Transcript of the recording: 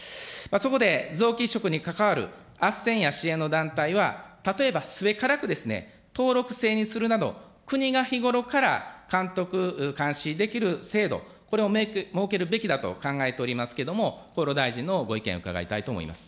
そこで臓器移植に関わるあっせんや支援の団体は、例えばすべからく、登録制にするなど、国が日頃から監督、監視できる制度、これを設けるべきだと考えておりますけれども、厚労大臣のご意見、伺いたいと思います。